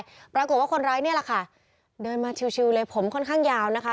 ปรากฏว่าคนร้ายเนี่ยแหละค่ะเดินมาชิวเลยผมค่อนข้างยาวนะคะ